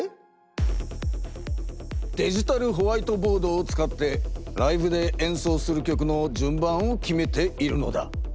デジタルホワイトボードを使ってライブでえんそうする曲のじゅんばんを決めているのだ。